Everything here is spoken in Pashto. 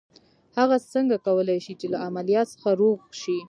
هغه څنګه کولای شي چې له عمليات څخه روغ شي.